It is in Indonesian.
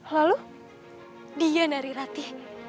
lalu dia nari rati